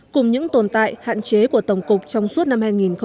cùng những tồn tại hạn chế của tổng cục trong suốt năm hai nghìn một mươi tám